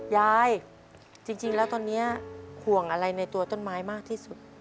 ยายจริงแล้วตอนนี้ห่วงอะไรในตัวต้นไม้มากที่สุด